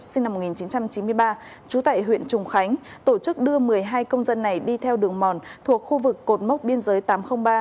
sinh năm một nghìn chín trăm chín mươi ba trú tại huyện trùng khánh tổ chức đưa một mươi hai công dân này đi theo đường mòn thuộc khu vực cột mốc biên giới tám trăm linh ba